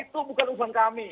itu bukan urusan kami